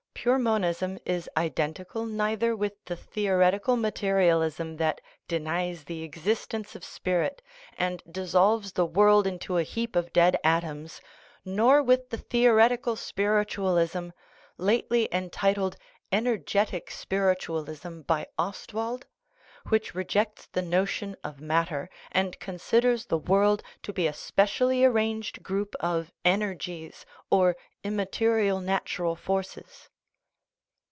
Pure monism is identical neither with the theo retical materialism that denies the existence of spirit, and dissolves the world into a heap of dead atoms, nor with the theoretical spiritualism (lately entitled " ener getic " spiritualism by Ostwald) which rejects the no tion of matter, and considers the world to be a specially arranged group of " energies " or immaterial natural forces.